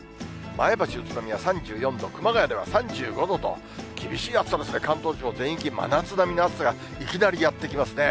前橋、宇都宮３４度、熊谷では３５度と、厳しい暑さですね、関東地方全域、真夏並みの暑さがいきなりやって来ますね。